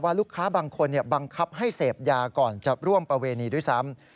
ลูกค้าบางคนบังคับให้เสพยาก่อนจะร่วมประเวณีด้วยซ้ำ